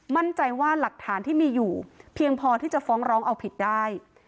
มั่นใจว่าหลักฐานที่มีอยู่เพียงพอที่จะฟ้องร้องเอาผิดได้